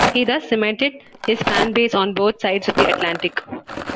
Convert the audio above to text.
He thus cemented his fan base on both sides of the Atlantic.